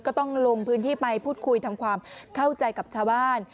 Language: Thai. ก็ต้องลงพื้นที่ไปพูดคุยทำความเข้าใจกับชาวบ้าน